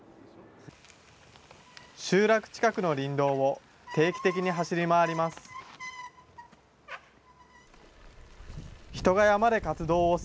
集落近くの林道を定期的に走り回ります。